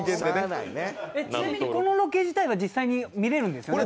ちなみにこのロケ自体は見られるんですよね？